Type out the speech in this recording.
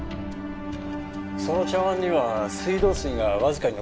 その茶碗には水道水がわずかに残されていました。